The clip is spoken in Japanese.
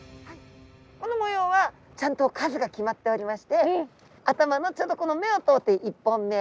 この模様はちゃんと数が決まっておりまして頭のちょうどこの目を通って１本目。